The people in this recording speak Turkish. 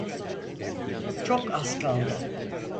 Çok az kaldı.